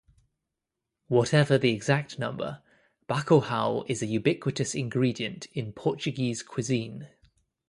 Whatever the exact number, bacalhau is a ubiquitous ingredient in Portuguese cuisine.